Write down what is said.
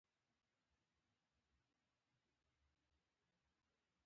ټول ښکل کړه